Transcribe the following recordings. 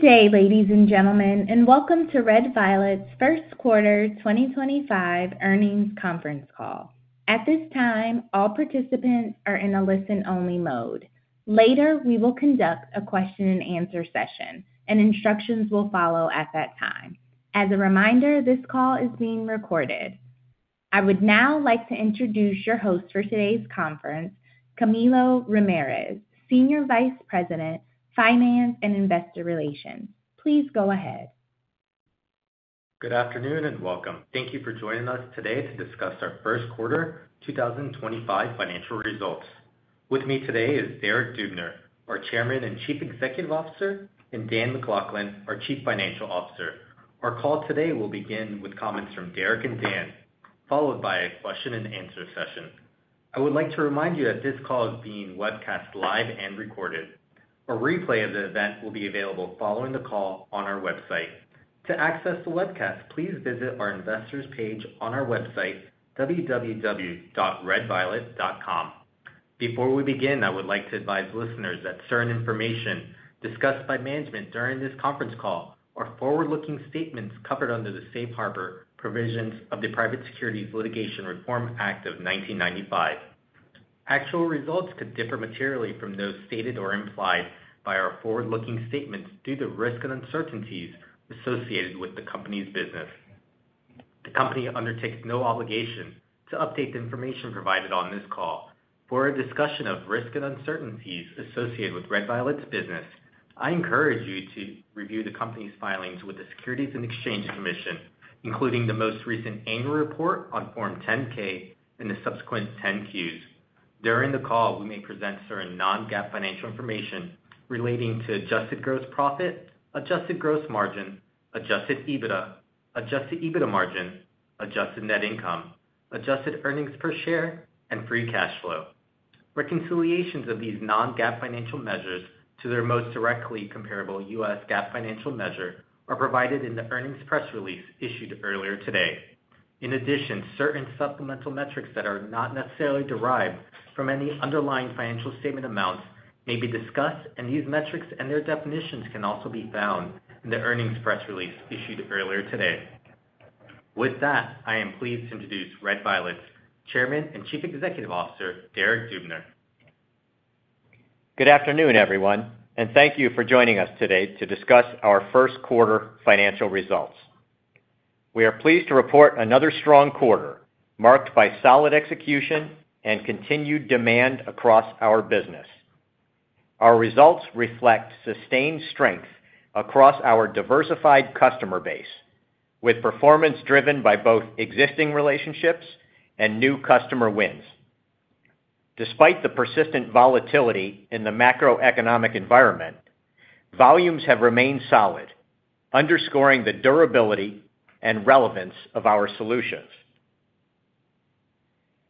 Good day, ladies and gentlemen, and welcome to Red Violet's First Quarter 2025 Earnings Conference Call. At this time, all participants are in a listen-only mode. Later, we will conduct a question-and-answer session, and instructions will follow at that time. As a reminder, this call is being recorded. I would now like to introduce your host for today's conference, Camilo Ramirez, Senior Vice President, Finance and Investor Relations. Please go ahead. Good afternoon and welcome. Thank you for joining us today to discuss our first quarter 2025 financial results. With me today is Derek Dubner, our Chairman and Chief Executive Officer, and Dan MacLachlan, our Chief Financial Officer. Our call today will begin with comments from Derek and Dan, followed by a question-and-answer session. I would like to remind you that this call is being webcast live and recorded. A replay of the event will be available following the call on our website. To access the webcast, please visit our investors page on our website, www.redviolet.com. Before we begin, I would like to advise listeners that certain information discussed by management during this conference call are forward-looking statements covered under the Safe Harbor provisions of the Private Securities Litigation Reform Act of 1995. Actual results could differ materially from those stated or implied by our forward-looking statements due to risk and uncertainties associated with the company's business. The company undertakes no obligation to update the information provided on this call. For a discussion of risk and uncertainties associated with Red Violet's business, I encourage you to review the company's filings with the Securities and Exchange Commission, including the most recent annual report on Form 10-K and the subsequent 10-Qs. During the call, we may present certain non-GAAP financial information relating to adjusted gross profit, adjusted gross margin, adjusted EBITDA, adjusted EBITDA margin, adjusted net income, adjusted earnings per share, and free cash flow. Reconciliations of these non-GAAP financial measures to their most directly comparable U.S. GAAP financial measure are provided in the earnings press release issued earlier today. In addition, certain supplemental metrics that are not necessarily derived from any underlying financial statement amounts may be discussed, and these metrics and their definitions can also be found in the earnings press release issued earlier today. With that, I am pleased to introduce Red Violet's Chairman and Chief Executive Officer, Derek Dubner. Good afternoon, everyone, and thank you for joining us today to discuss our First Quarter Financial Results. We are pleased to report another strong quarter marked by solid execution and continued demand across our business. Our results reflect sustained strength across our diversified customer base, with performance driven by both existing relationships and new customer wins. Despite the persistent volatility in the macroeconomic environment, volumes have remained solid, underscoring the durability and relevance of our solutions.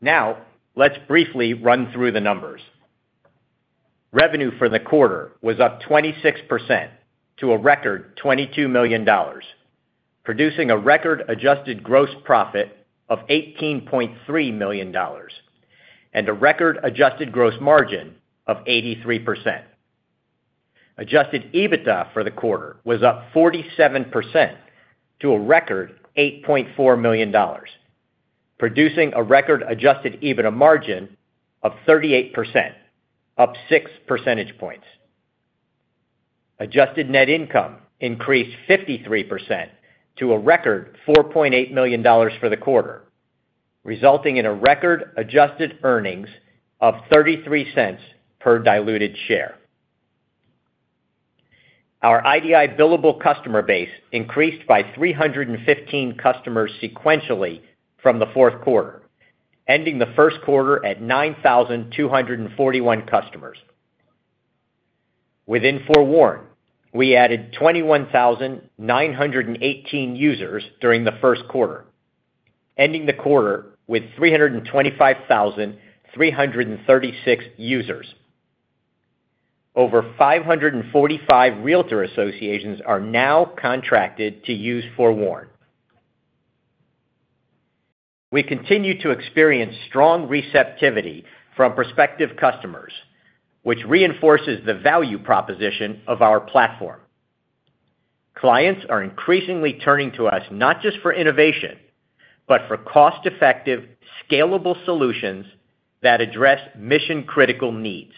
Now, let's briefly run through the numbers. Revenue for the quarter was up 26% to a record $22 million, producing a record adjusted gross profit of $18.3 million and a record adjusted gross margin of 83%. Adjusted EBITDA for the quarter was up 47% to a record $8.4 million, producing a record adjusted EBITDA margin of 38%, up 6 percentage points. Adjusted net income increased 53% to a record $4.8 million for the quarter, resulting in a record-adjusted earnings of $0.33 per diluted share. Our IDI billable customer base increased by 315 customers sequentially from the fourth quarter, ending the first quarter at 9,241 customers. Within Forewarn, we added 21,918 users during the first quarter, ending the quarter with 325,336 users. Over 545 realtor associations are now contracted to use Forewarn. We continue to experience strong receptivity from prospective customers, which reinforces the value proposition of our platform. Clients are increasingly turning to us not just for innovation, but for cost-effective, scalable solutions that address mission-critical needs.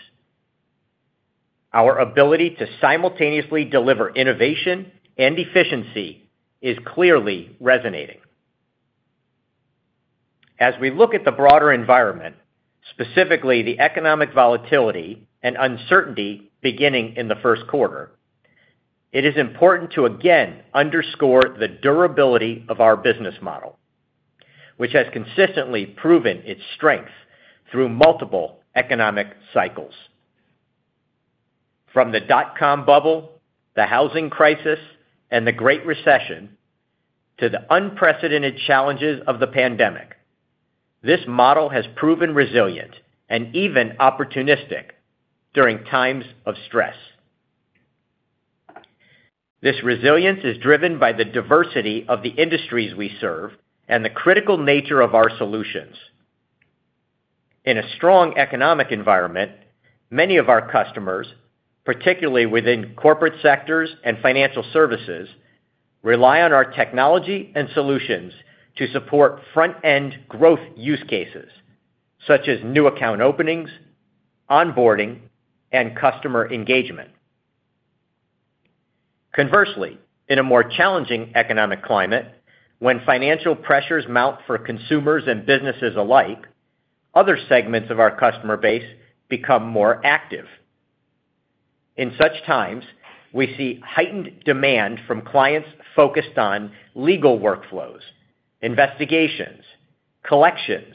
Our ability to simultaneously deliver innovation and efficiency is clearly resonating. As we look at the broader environment, specifically the economic volatility and uncertainty beginning in the first quarter, it is important to again underscore the durability of our business model, which has consistently proven its strength through multiple economic cycles. From the dot-com bubble, the housing crisis, and the Great Recession to the unprecedented challenges of the pandemic, this model has proven resilient and even opportunistic during times of stress. This resilience is driven by the diversity of the industries we serve and the critical nature of our solutions. In a strong economic environment, many of our customers, particularly within corporate sectors and financial services, rely on our technology and solutions to support front-end growth use cases such as new account openings, onboarding, and customer engagement. Conversely, in a more challenging economic climate, when financial pressures mount for consumers and businesses alike, other segments of our customer base become more active. In such times, we see heightened demand from clients focused on legal workflows, investigations, collections,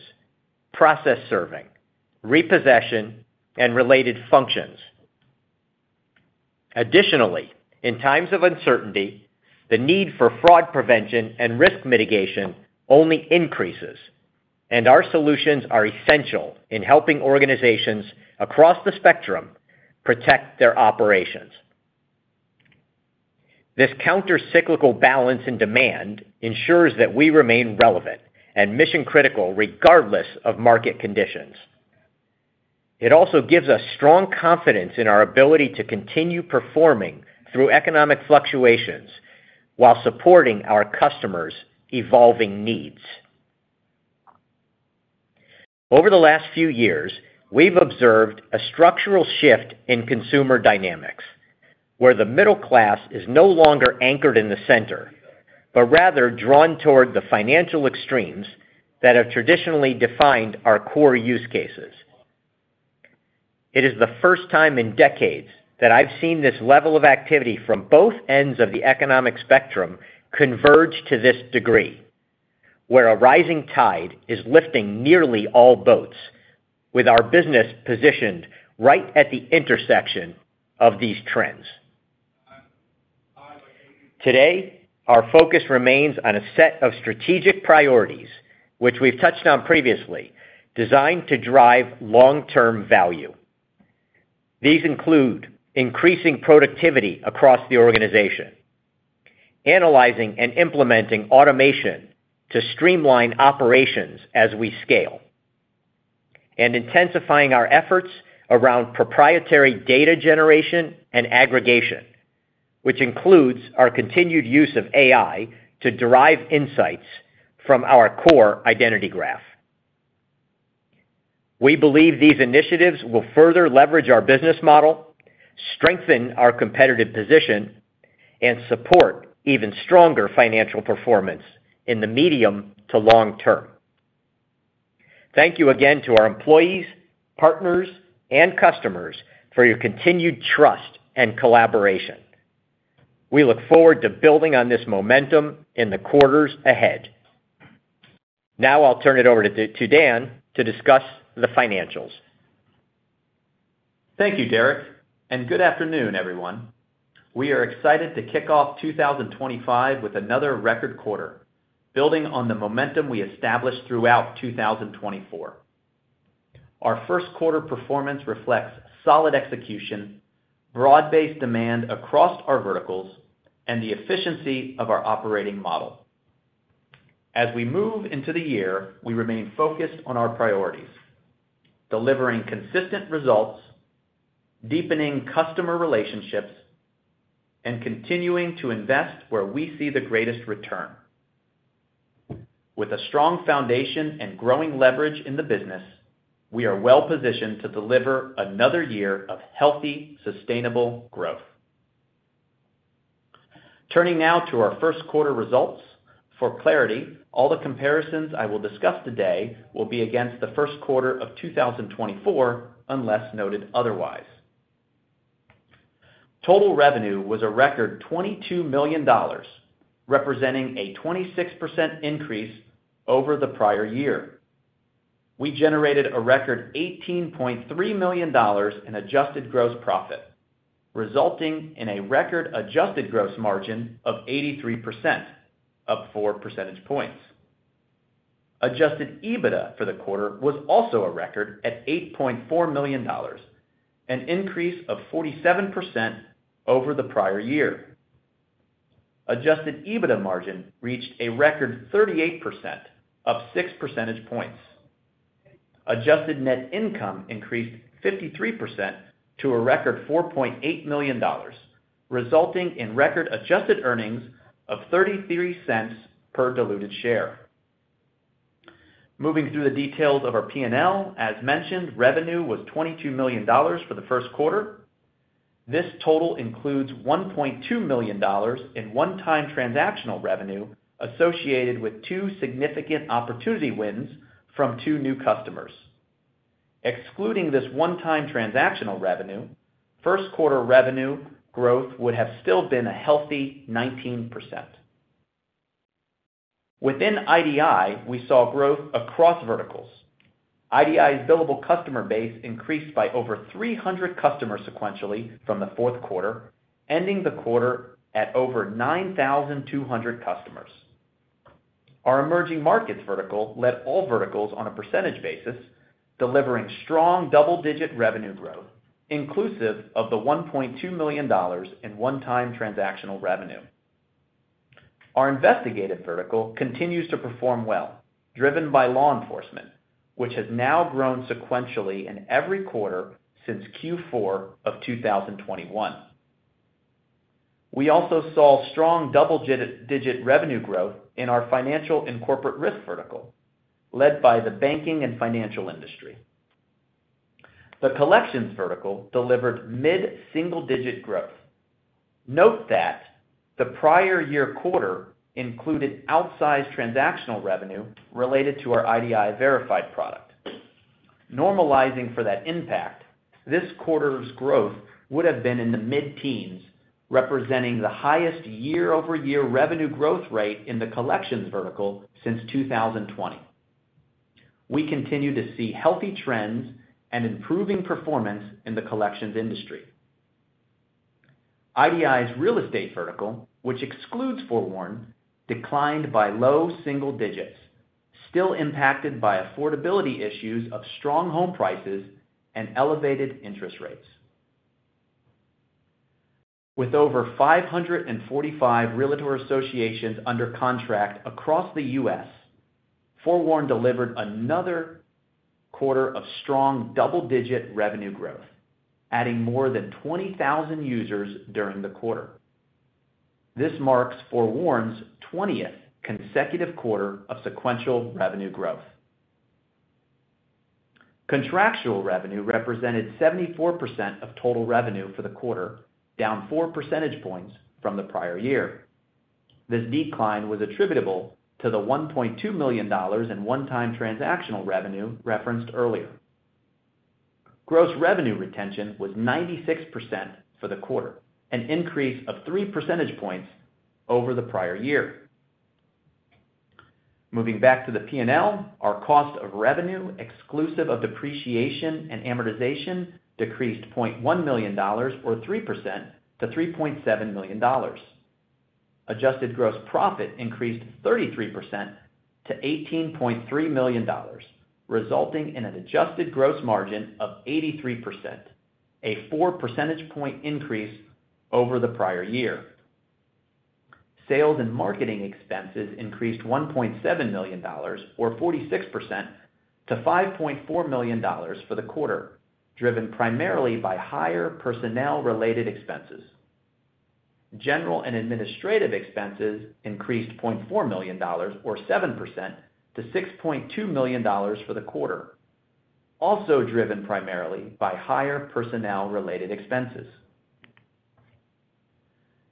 process serving, repossession, and related functions. Additionally, in times of uncertainty, the need for fraud prevention and risk mitigation only increases, and our solutions are essential in helping organizations across the spectrum protect their operations. This countercyclical balance in demand ensures that we remain relevant and mission-critical regardless of market conditions. It also gives us strong confidence in our ability to continue performing through economic fluctuations while supporting our customers' evolving needs. Over the last few years, we've observed a structural shift in consumer dynamics, where the middle class is no longer anchored in the center, but rather drawn toward the financial extremes that have traditionally defined our core use cases. It is the first time in decades that I've seen this level of activity from both ends of the economic spectrum converge to this degree, where a rising tide is lifting nearly all boats, with our business positioned right at the intersection of these trends. Today, our focus remains on a set of strategic priorities, which we've touched on previously, designed to drive long-term value. These include increasing productivity across the organization, analyzing and implementing automation to streamline operations as we scale, and intensifying our efforts around proprietary data generation and aggregation, which includes our continued use of AI to derive insights from our core identity graph. We believe these initiatives will further leverage our business model, strengthen our competitive position, and support even stronger financial performance in the medium to long term. Thank you again to our employees, partners, and customers for your continued trust and collaboration. We look forward to building on this momentum in the quarters ahead. Now I'll turn it over to Dan to discuss the financials. Thank you, Derek, and good afternoon, everyone. We are excited to kick off 2025 with another record quarter, building on the momentum we established throughout 2024. Our first quarter performance reflects solid execution, broad-based demand across our verticals, and the efficiency of our operating model. As we move into the year, we remain focused on our priorities, delivering consistent results, deepening customer relationships, and continuing to invest where we see the greatest return. With a strong foundation and growing leverage in the business, we are well positioned to deliver another year of healthy, sustainable growth. Turning now to our first quarter results, for clarity, all the comparisons I will discuss today will be against the first quarter of 2024 unless noted otherwise. Total revenue was a record $22 million, representing a 26% increase over the prior year. We generated a record $18.3 million in adjusted gross profit, resulting in a record-adjusted gross margin of 83%, up 4 percentage points. Adjusted EBITDA for the quarter was also a record at $8.4 million, an increase of 47% over the prior year. Adjusted EBITDA margin reached a record 38%, up 6 percentage points. Adjusted net income increased 53% to a record $4.8 million, resulting in record-adjusted earnings of $0.33 per diluted share. Moving through the details of our P&L, as mentioned, revenue was $22 million for the first quarter. This total includes $1.2 million in one-time transactional revenue associated with two significant opportunity wins from two new customers. Excluding this one-time transactional revenue, first quarter revenue growth would have still been a healthy 19%. Within IDI, we saw growth across verticals. IDI's billable customer base increased by over 300 customers sequentially from the fourth quarter, ending the quarter at over 9,200 customers. Our emerging markets vertical led all verticals on a percentage basis, delivering strong double-digit revenue growth, inclusive of the $1.2 million in one-time transactional revenue. Our investigative vertical continues to perform well, driven by law enforcement, which has now grown sequentially in every quarter since Q4 of 2021. We also saw strong double-digit revenue growth in our financial and corporate risk vertical, led by the banking and financial industry. The collections vertical delivered mid-single-digit growth. Note that the prior year quarter included outsized transactional revenue related to our IDI-verified product. Normalizing for that impact, this quarter's growth would have been in the mid-teens, representing the highest year-over-year revenue growth rate in the collections vertical since 2020. We continue to see healthy trends and improving performance in the collections industry. IDI's real estate vertical, which excludes Forewarn, declined by low single digits, still impacted by affordability issues of strong home prices and elevated interest rates. With over 545 realtor associations under contract across the U.S., Forewarn delivered another quarter of strong double-digit revenue growth, adding more than 20,000 users during the quarter. This marks Forewarn's 20th consecutive quarter of sequential revenue growth. Contractual revenue represented 74% of total revenue for the quarter, down 4 percentage points from the prior year. This decline was attributable to the $1.2 million in one-time transactional revenue referenced earlier. Gross revenue retention was 96% for the quarter, an increase of 3 percentage points over the prior year. Moving back to the P&L, our cost of revenue, exclusive of depreciation and amortization, decreased $0.1 million, or 3%, to $3.7 million. Adjusted gross profit increased 33% to $18.3 million, resulting in an adjusted gross margin of 83%, a 4 percentage point increase over the prior year. Sales and marketing expenses increased $1.7 million, or 46%, to $5.4 million for the quarter, driven primarily by higher personnel-related expenses. General and administrative expenses increased $0.4 million, or 7%, to $6.2 million for the quarter, also driven primarily by higher personnel-related expenses.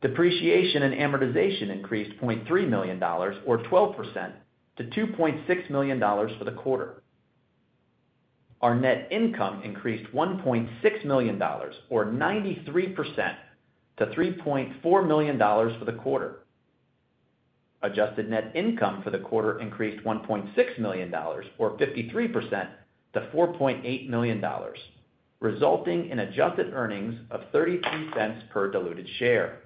Depreciation and amortization increased $0.3 million, or 12%, to $2.6 million for the quarter. Our net income increased $1.6 million, or 93%, to $3.4 million for the quarter. Adjusted net income for the quarter increased $1.6 million, or 53%, to $4.8 million, resulting in adjusted earnings of $0.33 per diluted share.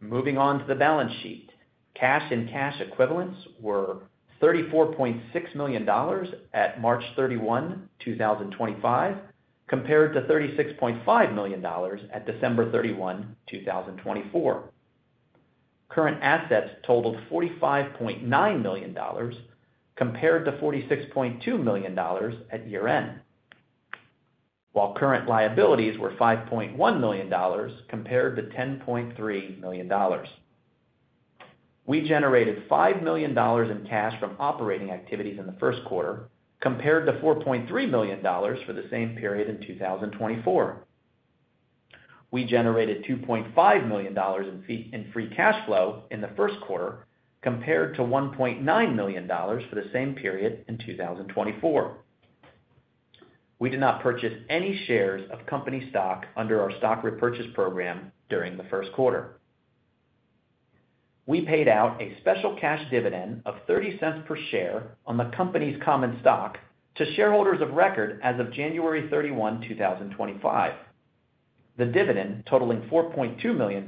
Moving on to the balance sheet, cash and cash equivalents were $34.6 million at March 31, 2025, compared to $36.5 million at December 31, 2024. Current assets totaled $45.9 million compared to $46.2 million at year-end, while current liabilities were $5.1 million compared to $10.3 million. We generated $5 million in cash from operating activities in the first quarter, compared to $4.3 million for the same period in 2023. We generated $2.5 million in free cash flow in the first quarter, compared to $1.9 million for the same period in 2023. We did not purchase any shares of company stock under our stock repurchase program during the first quarter. We paid out a special cash dividend of $0.30 per share on the company's common stock to shareholders of record as of January 31, 2024. The dividend, totaling $4.2 million,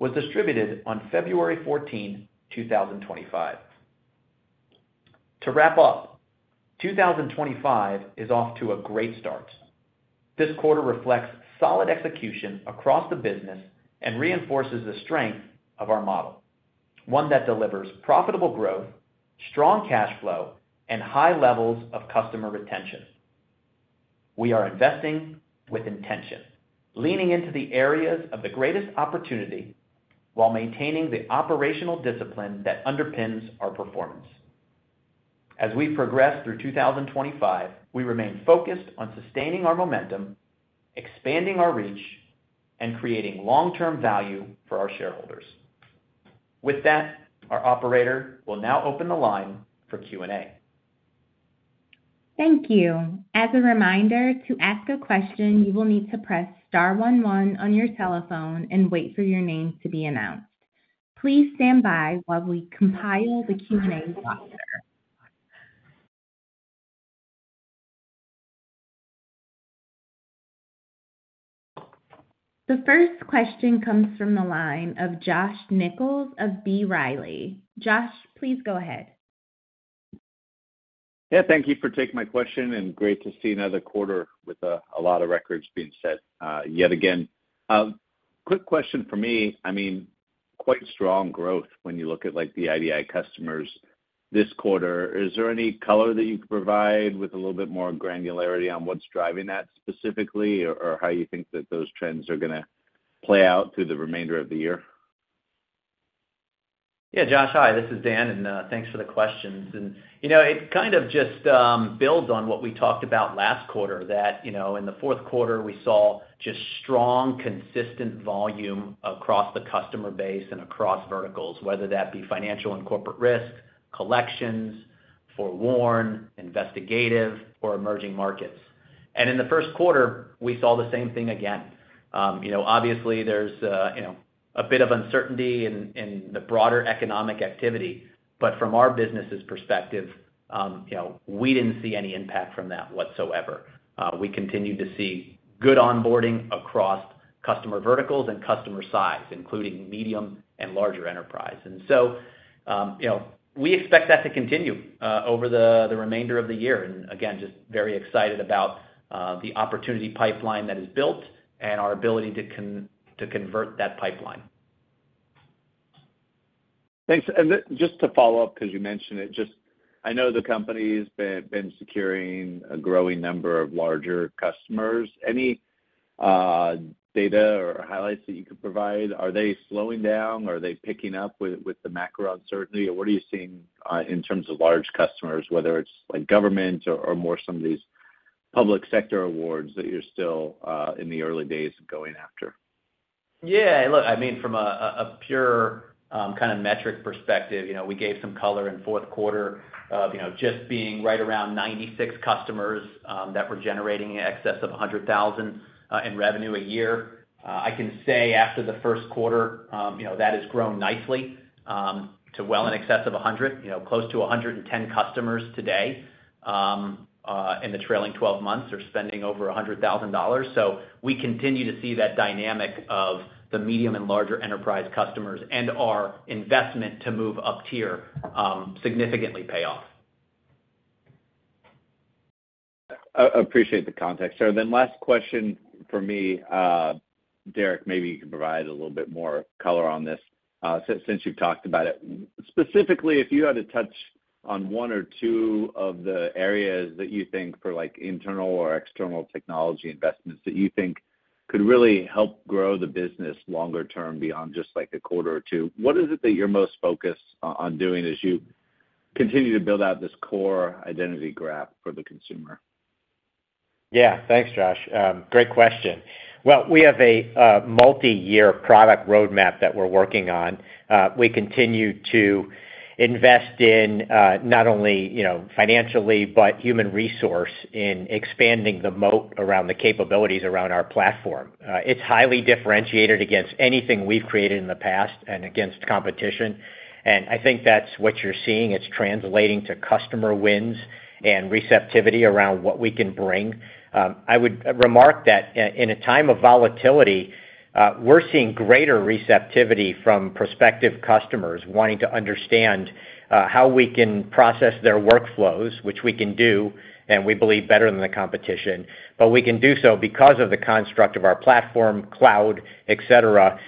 was distributed on February 14, 2024. To wrap up, 2024 is off to a great start. This quarter reflects solid execution across the business and reinforces the strength of our model, one that delivers profitable growth, strong cash flow, and high levels of customer retention. We are investing with intention, leaning into the areas of the greatest opportunity while maintaining the operational discipline that underpins our performance. As we progress through 2025, we remain focused on sustaining our momentum, expanding our reach, and creating long-term value for our shareholders. With that, our operator will now open the line for Q&A. Thank you. As a reminder, to ask a question, you will need to press star 11 on your cell phone and wait for your name to be announced. Please stand by while we compile the Q&A roster. The first question comes from the line of Josh Nichols of B. Riley. Josh, please go ahead. Yeah, thank you for taking my question, and great to see another quarter with a lot of records being set yet again. Quick question for me, I mean, quite strong growth when you look at the IDI customers this quarter. Is there any color that you could provide with a little bit more granularity on what's driving that specifically, or how you think that those trends are going to play out through the remainder of the year? Yeah, Josh, hi. This is Dan, and thanks for the questions. It kind of just builds on what we talked about last quarter, that in the fourth quarter, we saw just strong, consistent volume across the customer base and across verticals, whether that be financial and corporate risk, collections, Forewarn, investigative, or emerging markets. In the first quarter, we saw the same thing again. Obviously, there's a bit of uncertainty in the broader economic activity, but from our business's perspective, we did not see any impact from that whatsoever. We continued to see good onboarding across customer verticals and customer size, including medium and larger enterprise. We expect that to continue over the remainder of the year. Again, just very excited about the opportunity pipeline that is built and our ability to convert that pipeline. Thanks. Just to follow up, because you mentioned it, I know the company's been securing a growing number of larger customers. Any data or highlights that you could provide? Are they slowing down? Are they picking up with the macro uncertainty? What are you seeing in terms of large customers, whether it's government or more some of these public sector awards that you're still in the early days going after? Yeah. Look, I mean, from a pure kind of metric perspective, we gave some color in fourth quarter of just being right around 96 customers that were generating in excess of $100,000 in revenue a year. I can say after the first quarter, that has grown nicely to well in excess of 100, close to 110 customers today. In the trailing 12 months, they're spending over $100,000. We continue to see that dynamic of the medium and larger enterprise customers and our investment to move up tier significantly pay off. I appreciate the context. Then last question for me, Derek, maybe you can provide a little bit more color on this since you've talked about it. Specifically, if you had to touch on one or two of the areas that you think for internal or external technology investments that you think could really help grow the business longer term beyond just a quarter or two, what is it that you're most focused on doing as you continue to build out this core identity graph for the consumer? Yeah. Thanks, Josh. Great question. We have a multi-year product roadmap that we're working on. We continue to invest in not only financially, but human resource in expanding the moat around the capabilities around our platform. It's highly differentiated against anything we've created in the past and against competition. I think that's what you're seeing. It's translating to customer wins and receptivity around what we can bring. I would remark that in a time of volatility, we're seeing greater receptivity from prospective customers wanting to understand how we can process their workflows, which we can do, and we believe better than the competition. We can do so because of the construct of our platform, cloud, etc.,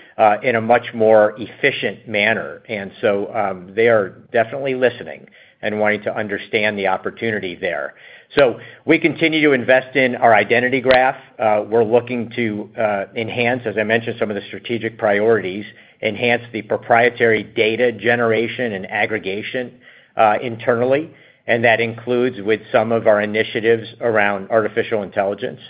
in a much more efficient manner. They are definitely listening and wanting to understand the opportunity there. We continue to invest in our identity graph. We're looking to enhance, as I mentioned, some of the strategic priorities, enhance the proprietary data generation and aggregation internally. That includes with some of our initiatives around artificial intelligence.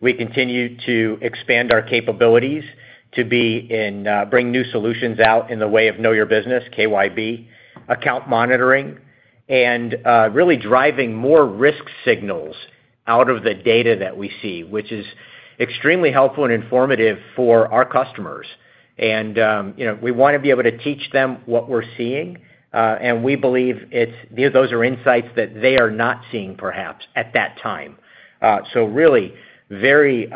We continue to expand our capabilities to bring new solutions out in the way of Know Your Business, KYB, account monitoring, and really driving more risk signals out of the data that we see, which is extremely helpful and informative for our customers. We want to be able to teach them what we're seeing. We believe those are insights that they are not seeing perhaps at that time. Really very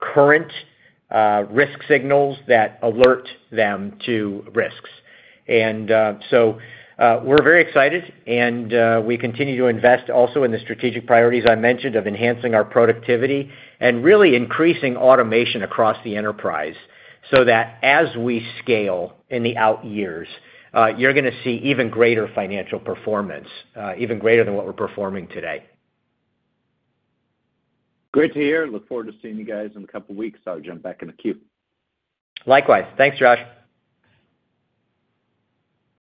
current risk signals that alert them to risks. We are very excited. We continue to invest also in the strategic priorities I mentioned of enhancing our productivity and really increasing automation across the enterprise so that as we scale in the out years, you're going to see even greater financial performance, even greater than what we're performing today. Great to hear. Look forward to seeing you guys in a couple of weeks. I'll jump back in the queue. Likewise. Thanks, Josh.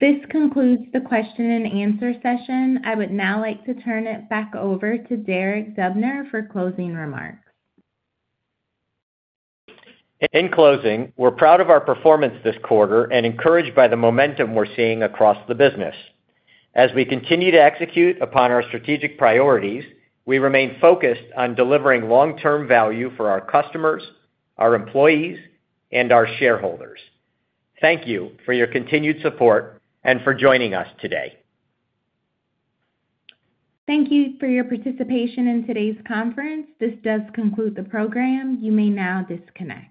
This concludes the question and answer session. I would now like to turn it back over to Derek Dubner for closing remarks. In closing, we're proud of our performance this quarter and encouraged by the momentum we're seeing across the business. As we continue to execute upon our strategic priorities, we remain focused on delivering long-term value for our customers, our employees, and our shareholders. Thank you for your continued support and for joining us today. Thank you for your participation in today's conference. This does conclude the program. You may now disconnect.